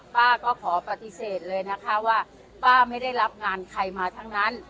ป้าก็ขอปฏิเสธเลยนะคะว่าป้าไม่ได้รับงานใครมาทั้งนั้น